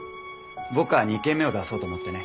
僕は２軒目を出そうと思ってね。